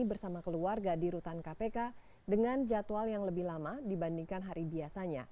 bersama keluarga di rutan kpk dengan jadwal yang lebih lama dibandingkan hari biasanya